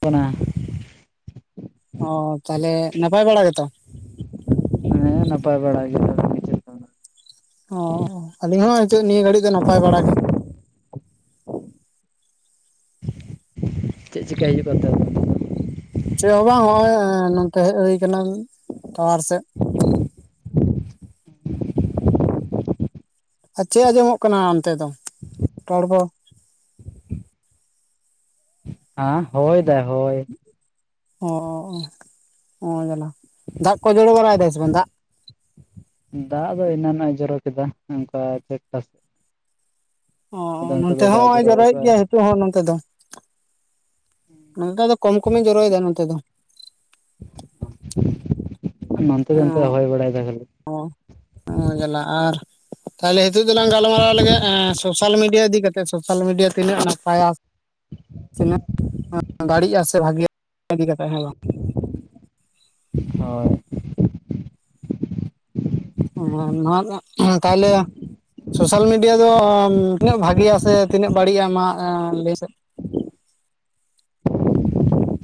ᱯᱚᱱᱟ ᱚ ᱛᱟᱦᱚᱞᱮ ᱱᱟᱯᱟᱭ ᱵᱟᱲᱟ ᱜᱮᱛᱚ? ᱦᱮᱸ ᱱᱟᱯᱟᱭ ᱵᱟᱲᱟ ᱜᱮ᱾ ᱚ ᱟᱹᱞᱤᱧ ᱦᱚᱸ ᱱᱤᱛᱚᱜ ᱱᱤᱭᱟᱹ ᱜᱷᱟᱹᱲᱤᱡ ᱫᱚ ᱱᱟᱯᱟᱭ ᱵᱟᱲᱟ ᱜᱮ᱾ ᱪᱮᱫ ᱪᱤᱠᱟᱹᱭ ᱦᱩᱭᱩᱜ ᱠᱟᱱ ᱛᱟᱹᱵᱮᱱᱟ? ᱪᱮᱫ ᱦᱚᱸ ᱵᱟᱝ ᱱᱚᱜᱼᱚᱭ ᱱᱚᱛᱮ ᱦᱮᱡ ᱦᱚᱭ ᱠᱟᱱᱟ ᱴᱟᱣᱟᱨ ᱥᱮᱫ᱾ ᱟᱨ ᱪᱮᱫ ᱟᱸᱡᱚᱢᱚᱜ ᱠᱟᱱᱟ ᱚᱱᱛᱮ ᱫᱚ ᱨᱚᱲᱫᱚ? ᱟᱸ ᱦᱳᱭ ᱫᱟᱭ ᱦᱳᱭ᱾ ᱚᱸ ᱚᱸ ᱡᱟᱞᱟ ᱫᱟᱜ ᱠᱚ ᱡᱚᱲᱚ ᱵᱟᱲᱟᱭ ᱫᱟᱭ ᱥᱮ ᱵᱟᱝ ᱫᱟᱜ? ᱫᱟᱜ ᱫᱚ ᱮᱱᱟᱱ ᱮ ᱡᱚᱨᱚ ᱠᱮᱫᱟ ᱚᱱᱠᱟ ᱪᱮᱠᱴᱟᱥ ᱚ ᱱᱚᱱᱛᱮ ᱫᱚ ᱵᱟᱭ ᱦᱚᱸ ᱡᱚᱨᱚ ᱡᱟᱣᱨᱚᱭᱮᱫ ᱟᱠᱟᱫᱟ ᱜᱮᱭᱟᱭ ᱦᱤᱛᱚᱜ ᱦᱚᱸ ᱱᱚᱮᱛ ᱫᱚ᱾ ᱱᱚᱛᱮ ᱫᱚ ᱠᱚᱢ ᱠᱚᱢᱮ ᱡᱚᱨᱚᱭ ᱫᱟ ᱱᱚᱛᱮ ᱫᱚ᱾ ᱱᱚᱛᱮ ᱫᱚ ᱚᱱᱛᱮ ᱦᱚᱭ ᱵᱟᱲᱟᱭ ᱫᱟ ᱠᱷᱟᱞᱤ᱾ ᱚᱸ ᱚᱸᱡᱟᱞᱟ ᱟᱨ ᱛᱟᱦᱞᱮ ᱱᱤᱛᱳᱜ ᱫᱚᱞᱟᱝ ᱜᱟᱞᱢᱟᱨᱟᱣ ᱞᱮᱜᱮ ᱥᱳᱥᱟᱞ ᱢᱤᱰᱤᱭᱟ ᱤᱫᱤ ᱠᱟᱛᱮᱜ ᱥᱳᱥᱟᱞ ᱢᱤᱰᱤᱭᱟ ᱛᱤᱱᱟᱹᱜ ᱱᱟᱯᱟᱭᱟ᱾ [inaudible] ᱛᱤᱱᱟᱹᱜ ᱵᱟᱹᱲᱤᱡᱼᱟ ᱥᱮ ᱵᱷᱟᱜᱮ ᱤᱫᱤ ᱠᱟᱛᱮ ᱦᱮ ᱵᱟᱝ᱾ ᱦᱳᱭ ᱚᱸ ᱱᱚᱣᱟᱨᱮᱱᱟᱜ ᱛᱟᱦᱞᱮ ᱥᱳᱥᱟᱞ ᱢᱤᱰᱤᱭᱟ ᱫᱚ ᱛᱤᱱᱟᱹᱜ ᱵᱷᱟᱜᱮᱤᱭᱟ ᱥᱮ ᱛᱤᱱᱟᱹᱜ ᱵᱟᱹᱲᱤᱡᱼᱟ ᱢᱟ ᱞᱟᱹᱭ ᱥᱮᱫ?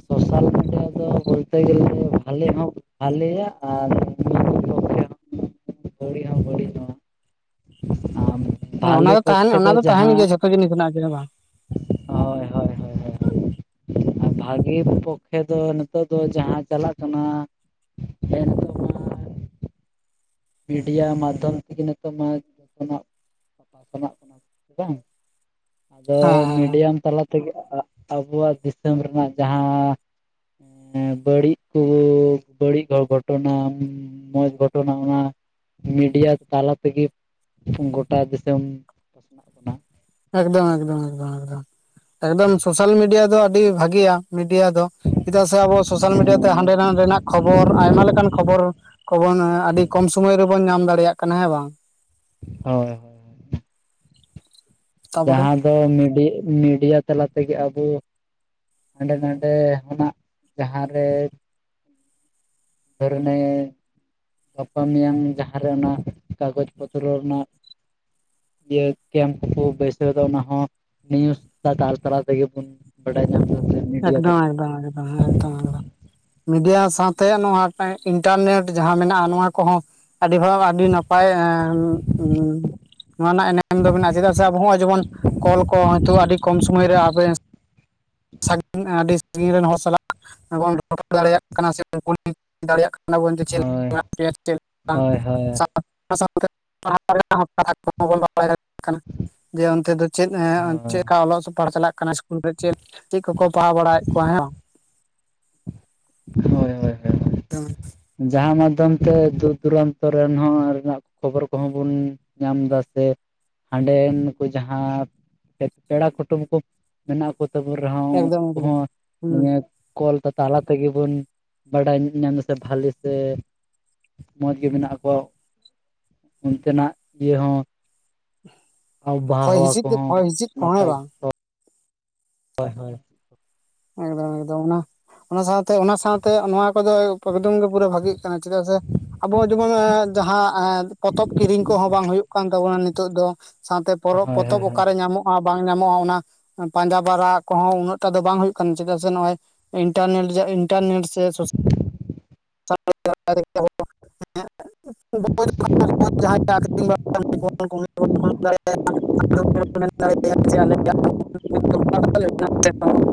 ᱥᱳᱥᱟᱞ ᱢᱤᱰᱤᱭᱟ ᱫᱚ ᱵᱚᱞᱛᱮ ᱜᱮᱞᱮ ᱵᱷᱟᱞᱮ ᱦᱚᱸ ᱵᱷᱟᱞᱮᱭᱟ ᱟᱨ ᱯᱚᱠᱠᱷᱮ ᱦᱚᱸ ᱵᱟᱹᱲᱤᱡ ᱦᱚᱸ ᱵᱟᱹᱲᱤᱡ ᱦᱚᱸ ᱟᱢ ᱦᱮᱸ ᱵᱷᱟᱞᱮ ᱚᱱᱟ ᱫᱚ ᱛᱟᱦᱮᱱ ᱯᱚᱠᱠᱷᱮ ᱚᱱᱟ ᱫᱚ ᱛᱟᱦᱮᱱ ᱡᱟᱦᱟᱸ ᱜᱮᱭᱟ ᱡᱷᱚᱛᱚ ᱡᱤᱱᱤᱥ ᱵᱟᱝ᱾ ᱦᱳᱭ ᱦᱳᱭ ᱦᱳᱭ ᱟᱨ ᱵᱷᱟᱹᱜᱤ ᱯᱚᱠᱠᱷᱮ ᱫᱚ ᱱᱤᱛᱚᱜ ᱫᱚ ᱡᱟᱦᱟᱸ ᱪᱟᱞᱟᱜ ᱠᱟᱱᱟ ᱯᱮᱛᱚ ᱢᱤᱰᱤᱭᱟ ᱢᱟᱫᱽᱫᱷᱚᱢ ᱛᱮᱜᱮ ᱱᱤᱛᱚᱜ ᱢᱟ ᱡᱚᱛᱚᱱᱟᱜ [inaudible] ᱵᱟᱝ, ᱟᱫᱚ ᱦᱮᱸ ᱦᱮᱸ ᱢᱤᱰᱤᱭᱟᱢ ᱛᱟᱞᱟ ᱛᱮᱜᱮ ᱟᱵᱚᱣᱟᱜ ᱫᱤᱥᱚᱢ ᱨᱮᱱᱟᱜ ᱡᱟᱦᱟᱸ ᱵᱟᱲᱤᱡ ᱠᱚ ᱵᱟᱹᱲᱤᱡ ᱜᱷᱚᱴᱚᱱᱟᱢ ᱮᱢᱟᱱ ᱢᱚᱡᱽ ᱜᱷᱚᱴᱚᱱᱟ ᱚᱱᱟ, ᱢᱤᱰᱤᱭᱟ ᱛᱟᱞᱟ ᱛᱮᱜᱮ ᱜᱚᱴᱟ ᱫᱤᱥᱚᱢ ᱯᱟᱥᱱᱟᱜ ᱠᱟᱱᱟ᱾ ᱮᱠᱫᱚᱢ ᱮᱠᱫᱚᱢ ᱮᱠᱫᱚᱢ ᱮᱠᱫᱚᱢ, ᱮᱠᱫᱚᱢ ᱥᱳᱥᱟᱞ ᱢᱤᱰᱤᱭᱟ ᱫᱚ ᱟᱹᱰᱤ ᱵᱷᱟᱜᱮᱭᱟ ᱢᱤᱰᱤᱭᱟ ᱫᱚ᱾ ᱪᱮᱫᱟᱜ ᱥᱮ ᱟᱵᱚ ᱥᱳᱥᱟᱞ ᱢᱤᱰᱤᱭᱟ ᱛᱮ ᱦᱟᱸᱰᱮ ᱱᱟᱰᱮᱱᱟᱜ ᱠᱷᱚᱵᱚᱨ, ᱟᱭᱢᱟ ᱞᱮᱠᱟᱱ ᱠᱷᱚᱵᱚᱨ ᱠᱚᱵᱚᱱ ᱟᱹᱰᱤ ᱠᱚᱢ ᱥᱩᱢᱚᱭ ᱨᱮᱵᱚᱱ ᱧᱟᱢ ᱫᱟᱲᱮᱭᱟᱜ ᱠᱟᱱᱟ ᱦᱮᱸ ᱵᱟᱝ᱾ ᱦᱳᱭ᱾ ᱦᱳᱭ ᱛᱟᱯᱚᱨᱮ ᱡᱟᱦᱟᱸ ᱫᱚ ᱢᱤᱰᱤ ᱢᱤᱰᱤᱭᱟ ᱛᱟᱞᱟ ᱛᱮᱜᱮ ᱟᱵᱚ ᱦᱟᱸᱰᱮ ᱱᱟᱰᱮ ᱠᱷᱚᱱᱟᱜ, ᱡᱟᱦᱟᱸ ᱨᱮ [unintelligible] ᱜᱟᱯᱟ ᱢᱮᱭᱟᱝ ᱡᱟᱦᱟᱸ ᱨᱮ ᱚᱱᱟ, ᱠᱟᱜᱚᱡᱽ ᱯᱚᱛᱨᱚ ᱨᱮᱱᱟᱜ ᱤᱭᱟᱹ ᱠᱮᱢᱯ ᱠᱚ ᱵᱟᱹᱭᱥᱟᱹᱣ ᱮᱫᱟ ᱚᱱᱟ ᱦᱚᱸ ᱱᱤᱭᱩᱥ ᱛᱟᱞ ᱛᱟᱞᱟ ᱛᱮᱜᱮ ᱵᱚᱱ ᱵᱟᱰᱟᱭ ᱧᱟᱢᱫᱟ ᱥᱮ᱾ ᱢᱤᱰᱤᱭᱟ ᱛᱟᱞᱟ ᱮᱠᱫᱚᱢ ᱛᱮᱜᱮ ᱮᱠᱫᱚᱢ ᱮᱠᱫᱚᱢ ᱦᱮᱸ ᱮᱠᱫᱚᱢ ᱮᱠᱫᱚᱢ᱾ ᱢᱤᱰᱤᱭᱟ ᱥᱟᱶᱛᱮ ᱱᱚᱣᱟ ᱤᱱᱴᱟᱨᱱᱮᱴ ᱡᱟᱦᱟᱸ ᱢᱮᱱᱟᱜᱼᱟ ᱱᱚᱣᱟ ᱠᱚᱦᱚᱸ ᱟᱹᱰᱤ ᱦᱚᱲᱢᱟ ᱟᱹᱰᱤ ᱱᱟᱯᱟᱭ ᱱᱚᱣᱟ ᱨᱮᱱᱟᱜ ᱮᱱᱮᱢ ᱫᱚ ᱢᱮᱱᱟᱜᱼᱟ ᱪᱮᱫᱟᱜ ᱥᱮ ᱟᱵᱚ ᱦᱚᱸᱜ-ᱚᱭ ᱡᱮᱢᱚᱱ, ᱠᱚᱞ ᱠᱚ ᱦᱚᱸᱜ-ᱚᱭ ᱛᱚ ᱟᱹᱰᱤ ᱠᱚᱢ ᱥᱩᱚᱢᱚᱭ ᱨᱮ [unintelligible] ᱥᱟᱺᱜᱤᱧ ᱟᱹᱰᱤ ᱥᱟᱺᱜᱤᱧ ᱨᱮᱱ ᱦᱚᱲ ᱥᱟᱞᱟᱜ ᱵᱚᱱ ᱨᱚᱯᱚᱲ ᱫᱟᱲᱮᱭᱟᱜ ᱠᱟᱱᱟ ᱥᱮ [inaudible] ᱫᱟᱲᱮᱭᱟᱜ ᱠᱟᱱᱟ ᱵᱚᱱ ᱡᱮ ᱪᱮᱫ ᱦᱳᱭ ᱞᱮᱠᱟ ᱪᱮᱫ [inaudible] [inaudible] ᱚᱱᱟ ᱦᱳᱭ ᱦᱳᱭ ᱥᱟᱶᱛᱮ ᱯᱟᱲᱦᱟᱜ ᱨᱮᱭᱟᱜ ᱦᱚᱸ [inaudible] ᱠᱚᱦᱚᱸ ᱵᱚᱱ ᱵᱟᱲᱟᱭ ᱫᱟᱲᱮᱭᱟᱜ ᱠᱟᱱᱟ, ᱡᱮ ᱚᱱᱛᱮ ᱫᱚ ᱪᱮᱫ ᱦᱳᱭ ᱪᱮᱫ ᱞᱮᱠᱟ ᱚᱞᱚᱜ ᱯᱟᱲᱦᱟᱜ ᱪᱟᱞᱟᱜ ᱠᱟᱱᱟ ᱤᱥ ᱠᱩᱞ ᱨᱮ ᱪᱮᱫ ᱪᱮᱫ ᱠᱚᱠᱚ ᱯᱟᱲᱟᱣ ᱵᱟᱲᱟᱭᱮᱫ ᱠᱚᱣᱟ ᱦᱮᱸ ᱵᱟᱝ᱾ ᱦᱚᱭ ᱦᱚᱭ ᱦᱚᱭ ᱦᱚᱭ᱾ [inaudible] ᱡᱟᱦᱟᱸ ᱢᱟᱫᱽᱫᱷᱚᱢ ᱛᱮ ᱫᱩᱨ ᱫᱩᱨᱟᱱᱛᱚ ᱨᱮᱱ ᱦᱚᱸ ᱨᱮᱱᱟᱜ ᱠᱷᱚᱵᱚᱨ ᱠᱚᱦᱚᱸ ᱵᱚᱱ ᱧᱟᱢᱫᱟ ᱥᱮ, ᱦᱟᱸᱰᱮ ᱱᱩᱠᱩ ᱡᱟᱦᱟᱸ, ᱥᱮᱫ ᱯᱮᱲᱟ ᱠᱩᱴᱩᱢ ᱠᱚ, ᱢᱮᱱᱟᱜ ᱠᱚ ᱛᱟᱠᱩ ᱨᱮᱦᱚᱸ ᱮᱠᱫᱚᱢ ᱩᱱᱠᱩ ᱮᱠᱫᱚᱢ ᱦᱚᱸ, ᱦᱩᱸ ᱱᱤᱭᱟᱹ ᱠᱚᱞ ᱛᱟᱞᱟ ᱛᱮᱜᱮ ᱵᱚᱱ ᱵᱟᱰᱟᱭ ᱧᱟᱢᱫᱟ ᱥᱮ ᱵᱷᱟᱞᱮ ᱥᱮ, ᱢᱚᱡᱽ ᱜᱮ ᱢᱮᱱᱟᱜ ᱠᱚ᱾ ᱚᱱᱛᱮᱱᱟᱜ ᱤᱭᱟᱹ ᱦᱚᱸ ᱟᱵᱚᱦᱟᱣᱟ ᱦᱚᱭ ᱦᱟᱣᱟ ᱦᱤᱸᱥᱤᱫ ᱛᱮ ᱠᱚᱦᱚᱸ ᱦᱚᱭ ᱦᱤᱸᱥᱤᱫ ᱠᱚ ᱱᱟᱯᱟᱭ ᱦᱮᱸᱵᱟᱝ? ᱦᱳᱭ ᱦᱳᱭ᱾ ᱮᱠᱫᱚᱢ ᱮᱠᱫᱚᱢ ᱚᱱᱟ ᱚᱱᱟ ᱥᱟᱶᱛᱮ ᱚᱱᱟ ᱥᱟᱶᱛᱮ ᱱᱚᱣᱟ ᱠᱚᱫᱚ ᱮᱠᱫᱚᱢ ᱜᱮ ᱯᱩᱨᱟᱹ ᱵᱷᱟᱜᱤᱜ ᱠᱟᱱᱟ ᱪᱮᱫᱟᱜ ᱥᱮ ᱟᱵᱚ ᱡᱮᱢᱚᱱ ᱮᱸ ᱡᱟᱦᱟᱸ ᱮᱸ ᱯᱚᱛᱚᱵ ᱠᱤᱨᱤᱧ ᱠᱚᱦᱚᱸ ᱵᱟᱝ ᱦᱩᱭᱩᱜ ᱠᱟᱱ ᱛᱟᱵᱚᱱᱟ ᱱᱤᱛᱚᱜ ᱫᱚ, ᱥᱟᱶᱛᱮ ᱯᱚᱨᱚᱵ ᱦᱳᱭ ᱦᱳᱭ ᱯᱚᱛᱚᱵ ᱦᱳᱭ ᱚᱠᱟᱨᱮ ᱧᱟᱢᱚᱜᱼᱟ ᱵᱟᱝ ᱧᱟᱢᱚᱜᱼᱟ ᱚᱱᱟ, ᱯᱟᱸᱡᱟ ᱵᱟᱨᱟ ᱠᱚᱦᱚᱸ ᱩᱱᱟᱹᱜ ᱴᱟᱜ ᱫᱚ ᱵᱟᱝ ᱦᱩᱭᱩᱜ ᱠᱷᱟᱱ ᱪᱮᱫᱟᱜ ᱥᱮ ᱱᱚᱜᱼᱚᱭ ᱤᱱᱴᱟᱨᱱᱮᱴ ᱡᱮ ᱤᱱᱴᱟᱨᱱᱮᱴ ᱥᱮ ᱥᱳᱥᱟᱞ [inaudible] ᱱᱚᱜ-ᱚᱭ ᱡᱟᱦᱟᱸᱭ ᱠᱚ ᱟᱹᱠᱷᱨᱤᱧ ᱵᱟᱲᱟᱭ [inaudible] [inaudible]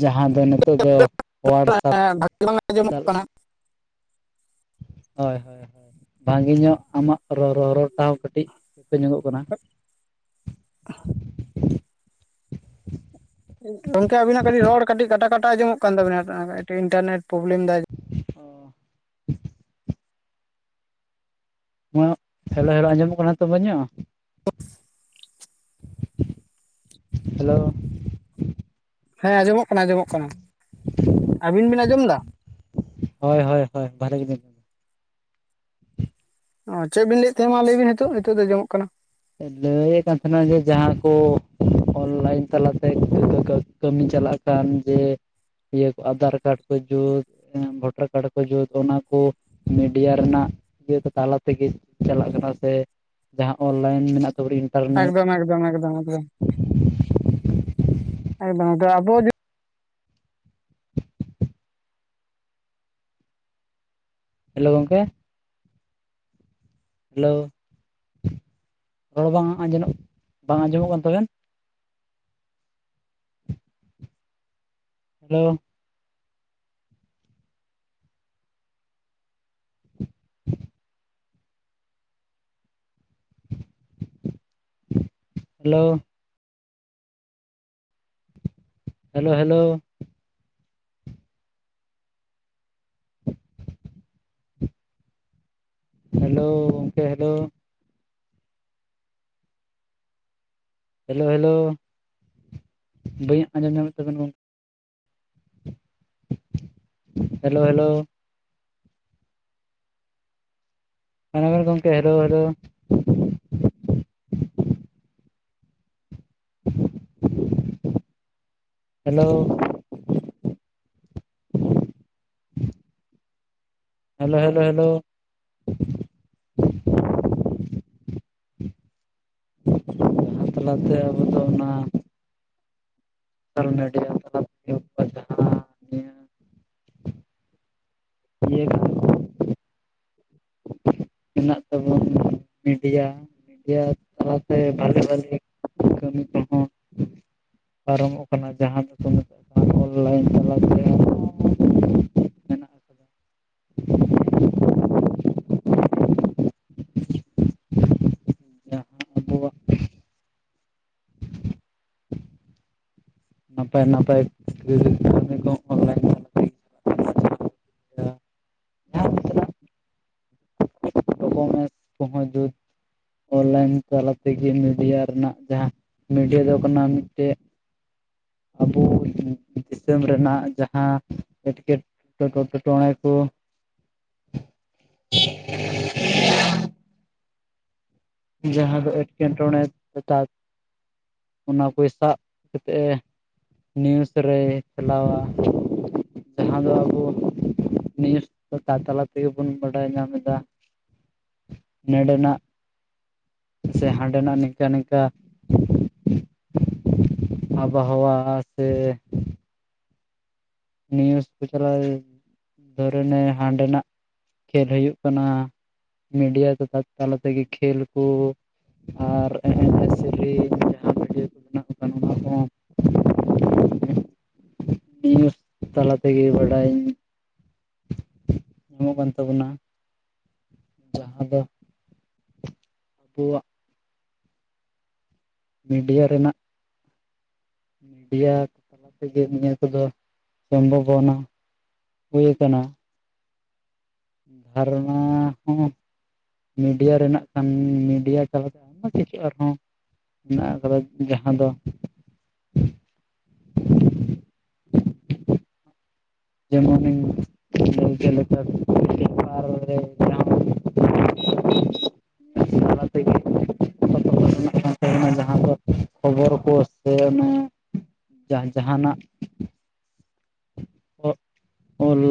ᱡᱟᱦᱟᱸ ᱫᱚ ᱱᱤᱛᱚᱜ ᱫᱚ ᱳᱣᱟᱴᱥᱟᱯ ᱵᱷᱟᱜᱤ ᱵᱟᱝ ᱟᱸᱡᱚᱢᱚᱜ ᱠᱟᱱᱟ ᱦᱳᱭ ᱦᱳᱭ ᱦᱳᱭ, ᱵᱷᱟᱜᱮ ᱧᱚᱜ ᱟᱢᱟᱜ ᱨᱚ ᱨᱚ ᱨᱟᱲ ᱴᱟᱣ ᱠᱟᱹᱴᱤᱡ ᱤᱠᱚ ᱧᱚᱜᱚᱜ ᱠᱟᱱᱟ᱾ [inaudible] ᱜᱚᱝᱠᱮ ᱟᱵᱤᱱᱟᱜ ᱠᱟᱹᱴᱤᱡ ᱨᱚᱲ ᱠᱟᱹᱴᱤᱡ ᱠᱟᱴᱟ ᱠᱟᱴᱟ ᱟᱸᱡᱚᱢᱚᱜ ᱠᱟᱱ ᱛᱟᱵᱤᱱᱟ ᱤᱱᱴᱟᱨᱱᱮᱴ ᱯᱨᱚᱵᱞᱮᱢ ᱫᱟᱭ᱾ ᱚ [inaudible] ᱦᱮᱞᱳ ᱦᱮᱞᱳ ᱟᱸᱡᱚᱢᱚᱜ ᱠᱟᱱᱟ ᱛᱚ ᱢᱚᱪ ᱧᱚᱜᱼᱚ᱾ [unintelligible] ᱦᱮᱞᱳ ᱦᱮᱸ ᱟᱸᱡᱚᱢᱚᱜ ᱠᱟᱱᱟ ᱟᱸᱡᱚᱢᱚᱜ ᱠᱟᱱᱟ ᱟᱵᱤᱱ ᱵᱤᱱ ᱟᱸᱡᱚᱢ ᱮᱫᱟ? ᱦᱚᱭ ᱦᱚᱭ ᱵᱷᱟᱞᱮ [inaudible] ᱪᱮᱫ ᱵᱤᱱ ᱞᱟᱹᱭᱮᱫ ᱛᱟᱦᱮᱸᱦᱫ ᱢᱟ ᱞᱟᱹᱭᱵᱤᱱ ᱱᱤᱛᱚᱜ ᱱᱤᱛᱚᱜᱜ ᱫᱚ ᱡᱚᱢᱚᱜ ᱠᱟᱱᱟ᱾ ᱞᱟᱹᱭᱮᱫ ᱠᱟᱱ ᱛᱟᱦᱮᱱᱟ ᱡᱮ ᱡᱟᱦᱟᱸ ᱠᱚ ᱚᱱᱞᱟᱭᱤᱱ ᱛᱟᱞᱟ ᱛᱮ ᱠᱟᱹ ᱠᱟᱹ ᱠᱟᱹᱢᱤ ᱪᱟᱞᱟᱜ ᱾ ᱠᱟᱱ ᱡᱮ ᱤᱭᱟᱹ ᱟᱫᱷᱟᱨ ᱠᱟᱨᱰ ᱠᱚ ᱡᱩᱛ ᱵᱷᱳᱴᱟᱨ ᱠᱟᱨᱰ ᱠᱚ ᱡᱩᱛ ᱚᱱᱟ ᱠᱚ᱾ ᱢᱤᱰᱤᱭᱟ ᱨᱮᱱᱟᱜ ᱤᱭᱟᱹ ᱛᱟᱞᱟ ᱛᱮᱜᱮ ᱪᱟᱞᱟᱜ ᱠᱟᱱᱟ ᱥᱮ ᱡᱟᱹᱦᱟ ᱚᱞ᱾ ᱞᱟᱤᱱ ᱢᱮᱱᱟᱜ ᱛᱟ ᱯᱚᱨᱮ᱾ ᱮᱠᱫᱚᱢ ᱮᱠᱫᱚᱢ ᱮᱠᱫᱚᱢ ᱟᱵᱚ [inaudible] ᱦᱮᱞᱳ ᱜᱚᱝᱠᱮ ᱦᱮᱞᱳ ᱨᱚᱲ ᱵᱟᱝ ᱟᱸᱡᱚᱜ ᱵᱟᱝ ᱟᱸᱡᱚᱢᱚᱜ ᱠᱟᱱ ᱛᱟᱵᱮᱱ᱾ Hello hello hello hello hello ᱜᱚᱢᱠᱮ ᱦᱮᱞᱳ᱾ ᱦᱮᱞᱳ ᱦᱮᱞᱳ ᱵᱟᱹᱧ ᱟᱸᱡᱚᱢ ᱧᱟᱢᱮᱫ ᱛᱟᱵᱚᱱᱟ ᱜᱚᱝᱠᱮ᱾ ᱦᱮᱞᱳ ᱦᱮᱞᱳ ᱢᱟᱱ [inaudible] ᱜᱚᱢᱠᱮ hello hello. [unintelligible] Hello hello hello hello. ᱡᱟᱸᱦᱟ ᱛᱟᱞᱟᱛᱮ ᱟᱵᱚ ᱫᱚ ᱚᱱᱟ᱾ [unintelligible] ᱟᱵᱚᱣᱟᱜ ᱡᱟᱦᱟᱸ ᱱᱤᱭᱟᱹ ᱤᱭᱟᱹ ᱦᱤᱱᱟᱜ ᱛᱟᱵᱚᱱ ᱢᱤᱰᱤᱭᱟ ᱢᱤᱰᱤᱭᱟ ᱛᱟᱞᱟᱛᱮ ᱵᱷᱟᱜᱮ ᱵᱷᱟᱜᱮ ᱠᱟᱹᱢᱤ ᱠᱚ ᱦᱚᱸ᱾ ᱯᱟᱨᱚᱢᱚᱜ ᱠᱟᱱᱟ ᱡᱟᱸᱦᱟ ᱫᱚᱠᱚ ᱢᱮᱛᱟᱜ ᱠᱟᱱ ᱚᱱᱞᱟᱭᱤᱱ ᱛᱟᱞᱟᱛᱮ ᱦᱚᱸ᱾ ᱡᱟᱦᱟᱸ ᱟᱵᱚᱣᱟᱜ ᱱᱟᱯᱟᱭ ᱱᱟᱯᱟᱭ [unintelligible] ᱠᱚ ᱚᱱᱞᱟᱭᱤᱱ ᱛᱟᱞᱟ ᱛᱮᱜᱮ ᱪᱟᱞᱟᱜ ᱠᱟᱱᱟ ᱡᱟᱦᱟᱸ ᱞᱮᱠᱟᱱᱟᱜ ᱰᱚᱠᱚᱢᱮᱱᱴᱥ ᱠᱚᱦᱚᱸ ᱡᱩᱛ ᱚᱱᱞᱟᱭᱤᱱ ᱛᱟᱞᱟ ᱛᱮᱜᱮ ᱢᱤᱰᱤᱭᱟ ᱨᱮᱱᱟᱜ ᱡᱟᱸᱦᱟ᱾ ᱢᱤᱰᱤᱭᱟ ᱫᱚ ᱠᱟᱱᱟ ᱢᱤᱫᱴᱮ᱾ ᱟᱵᱩ ᱫᱤᱥᱚᱢ ᱨᱮᱱᱟᱜ ᱡᱟᱸᱦᱟ ᱮᱴᱠᱮ᱾ [inaudible] ᱴᱚᱬᱮ ᱠᱚ ᱡᱟᱦᱟᱸ ᱫᱚ ᱮᱴᱠᱮᱴᱚᱬᱮ ᱦᱚᱴᱟᱛ᱾ ᱚᱱᱟ ᱯᱚᱭᱥᱟ ᱠᱟᱛᱮᱜ ᱮ᱾ ᱱᱤᱭᱩᱪ ᱨᱮ ᱪᱟᱞᱟᱣᱟ ᱡᱟᱸᱦᱟ ᱫᱚ ᱟᱵᱚ᱾ ᱱᱤᱭᱩᱪ ᱠᱚ ᱛᱟᱞᱟ ᱛᱮᱜᱮ ᱵᱚᱱ ᱵᱟᱰᱟᱭ ᱧᱟᱢ ᱮᱫᱟ ᱱᱮᱰᱮᱱᱟᱜ᱾ ᱥᱮ ᱦᱟᱸᱰᱮᱱᱟᱜ ᱱᱤᱝᱠᱟ ᱱᱤᱝᱠᱟ᱾ ᱟᱵᱚᱦᱟᱣᱟ ᱥᱮ᱾ ᱱᱤᱭᱩᱪ ᱠᱚ ᱪᱟᱞᱟᱣ ᱫᱷᱚᱨᱚᱱᱮ ᱦᱟᱸᱰᱮᱱᱟᱜ ᱠᱷᱮᱞ ᱦᱩᱭᱩᱜ ᱠᱟᱱᱟ᱾ ᱢᱤᱰᱤᱭᱟ ᱠᱩ ᱛᱟᱞᱟ ᱛᱮᱜᱮ ᱠᱷᱮᱞ ᱠᱚ᱾ ᱟᱨ ᱮᱱᱮᱢ ᱥᱮᱨᱮᱧ ᱡᱟᱦᱟᱸ ᱵᱷᱤᱰᱭᱳ ᱠᱚ ᱵᱮᱱᱟᱣ ᱠᱚ ᱠᱟᱱᱟ ᱚᱱᱟ ᱦᱚ [unintelligible] ᱛᱟᱞᱟ ᱛᱮᱜᱮ ᱵᱟᱰᱟᱭ ᱧᱟᱢᱚᱜ ᱠᱟᱱ ᱛᱟᱵᱚᱱᱟ ᱡᱟᱦᱟᱸ ᱫᱚ ᱟᱵᱚᱣᱟᱜ ᱢᱤᱰᱤᱭᱟ ᱨᱮᱱᱟᱜ ᱢᱤᱰᱤᱭᱟ ᱠᱚ ᱛᱟᱞᱟ ᱛᱮᱜᱮ ᱱᱤᱭᱟᱹ ᱠᱚᱫᱚ ᱥᱚᱢᱵᱷᱚᱵᱚᱱᱟ᱾ ᱦᱳᱳ ᱟᱠᱟᱱᱟ᱾ ᱟᱨ ᱱᱚᱣᱟ ᱦᱚ, ᱢᱤᱰᱤᱭᱟ ᱨᱮᱱᱟᱜ ᱠᱷᱟᱱ ᱢᱤᱰᱤᱭᱟ ᱪᱟᱞᱟ ᱟᱭᱢᱟ ᱠᱤᱪᱷᱩ ᱟᱨᱦᱚ ᱢᱮᱱᱟᱜ ᱟᱠᱟᱫᱟ ᱡᱟᱦᱟᱸ ᱫᱚ ᱡᱮᱢᱚᱱᱤᱧ ᱞᱟᱹᱭ ᱠᱮᱫ ᱞᱮᱠᱟ [inaudible] ᱨᱮ᱾ [unintelligible] [unintelligible] ᱛᱟᱦᱮᱱᱟ ᱡᱟᱦᱟᱸ ᱫᱚ ᱠᱷᱚᱵᱚᱨ ᱠᱚ ᱥᱮ ᱚᱱᱮ ᱡᱟᱭ ᱡᱟᱦᱟᱱᱟᱜ ᱚᱜ ᱚᱞ